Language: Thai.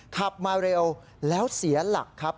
ขับมาเร็วแล้วเสียหลักครับ